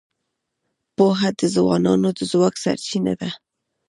پوهه د ځوانانو د ځواک سرچینه ده.